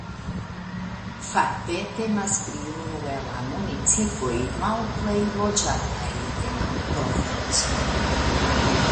Fakte temas pri unu el la municipoj malplej loĝataj de la provinco.